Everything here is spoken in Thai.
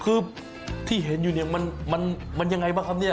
คือที่เห็นอยู่เนี่ยมันยังไงบ้างครับเนี่ย